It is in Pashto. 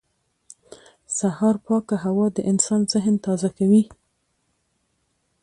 سهار پاکه هوا د انسان ذهن تازه کوي